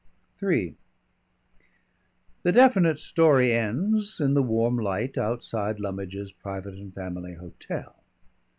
_" III The definite story ends in the warm light outside Lummidge's Private and Family Hotel.